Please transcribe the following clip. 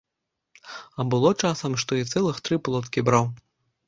А было часам, што і цэлых тры плоткі браў.